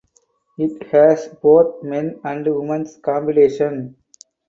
It has both mens and womens competitions.